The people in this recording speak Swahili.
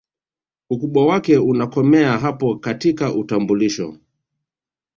Ukubwa wake unakomea hapo katika utambulisho